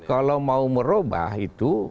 kalau mau merubah itu